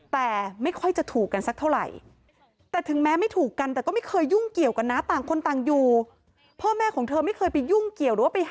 แต่ไม่ค่อยจะถูกกันสักเท่าไหร่